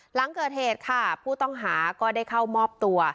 หลังเกิดเหตุค่ะผู้ต้องหาก็ได้เข้ามอบตัว